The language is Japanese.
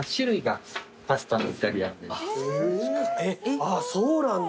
あっそうなんだ。